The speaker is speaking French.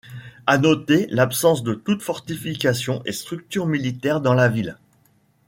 À noter l’absence de toute fortification et structure militaire dans la ville.